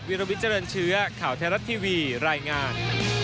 ลวิทเจริญเชื้อข่าวไทยรัฐทีวีรายงาน